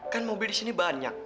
kan mobil di sini banyak